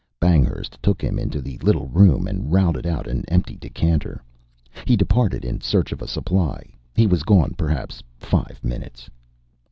Banghurst took him into the little room and routed out an empty decanter. He departed in search of a supply. He was gone perhaps five minutes.